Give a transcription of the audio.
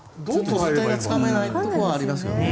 実態がつかめないところはありますよね。